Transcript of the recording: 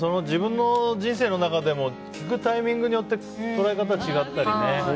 自分の人生の中でも聴くタイミングによって捉え方が違ったりね。